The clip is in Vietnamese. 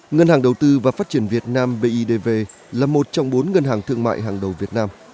ngân hàng đầu tư và phát triển việt nam bidv là một trong bốn ngân hàng thương mại hàng đầu việt nam